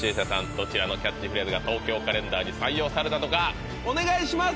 どちらのキャッチフレーズが「東京カレンダー」に採用されたのかお願いします！